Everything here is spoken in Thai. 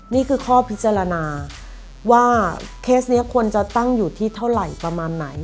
นี่คือข้อพิจารณาว่าเคสนี้ควรจะตั้งอยู่ที่เท่าไหร่ประมาณไหน